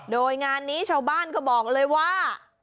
โดยงานนี้ชาวบ้านก็บอกเลยว่า